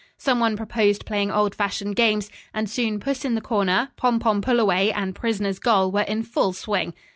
Some one proposed playing old fashioned games, and soon "puss in the corner," "pom pom pull away," and "prisoner's goal" were in full swing.